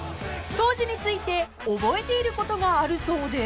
［当時について覚えていることがあるそうで］